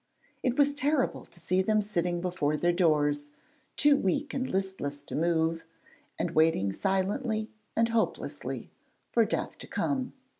It was terrible to see them sitting before their doors, too weak and listless to move, and waiting silently and hopelessly for death to come.